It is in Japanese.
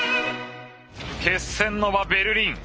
決戦の場ベルリン。